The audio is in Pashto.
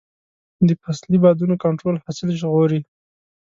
د فصلي بادونو کنټرول حاصل ژغوري.